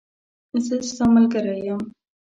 زه ستاملګری یم .